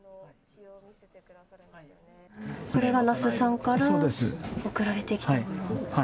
これが那須さんから送られてきたもの。